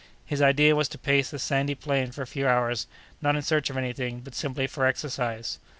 His idea was to pace the sandy plain for a few hours, not in search of any thing, but simply for exercise.